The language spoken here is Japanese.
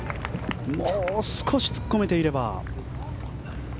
もう少し突っ込めていれば。